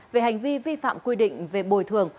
về hành vi vi phạm quy định về bồi thường